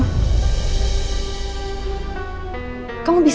kamu emang luar biasa